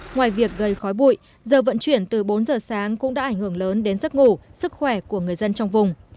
ngoài việc gây khói bụi giờ vận chuyển từ bốn giờ sáng cũng đã ảnh hưởng lớn đến giấc ngủ sức khỏe của người dân trong vùng